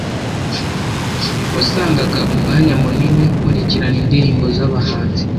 wasangaga umwanya munini nkurikirana indirimbo z’abahanzi,